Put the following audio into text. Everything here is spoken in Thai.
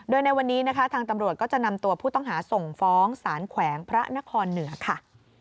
โดยในวันนี้นะคะทางตำรวจก็จะนำตัวผู้ต้องหาส่งฟ้องสารแขวงพระนครเหนือค่ะ